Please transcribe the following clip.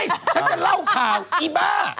ฉันจะเล่าข่าวอีบ้า